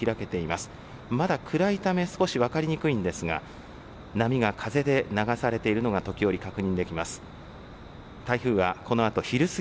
まだ暗いため少し分かりにくいんですが、波が風で流されているのが、時折確認できます。